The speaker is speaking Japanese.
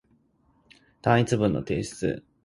単一文の提出